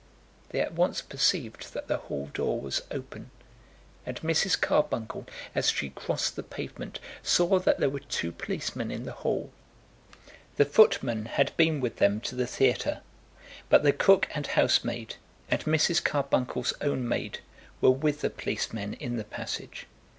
They at once perceived that the hall door was open, and Mrs. Carbuncle, as she crossed the pavement, saw that there were two policemen in the hall. The footman had been with them to the theatre, but the cook and housemaid, and Mrs. Carbuncle's own maid, were with the policemen in the passage.